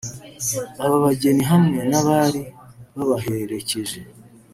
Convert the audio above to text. Aba bageni hamwe n’abari babaherekeje